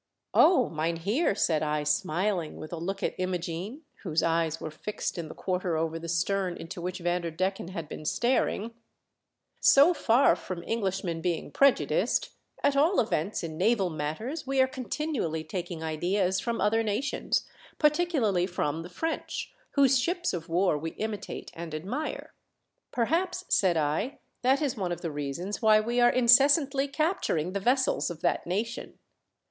*'Oh, mynheer!" said I, smiling, with a look at Imogene, whose eyes were fixed in the quarter over the stern into which Van derdecken had been staring, "so far from Englishmen being prejudiced, at all events in naval matters, we are continually taking ideas from other nations, particularly from 228 THE DEATH SHIP. the French, whose ships of war we imitate and admire. Perhaps," said I, "that is one of the reasons why we are incessantly capturing the vessels of that nation."